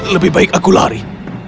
lebih baik aku lari